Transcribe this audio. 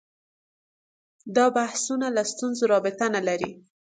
دا بحثونه له ستونزو رابطه نه لري